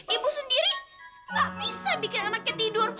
ibu sendiri gak bisa bikin anaknya tidur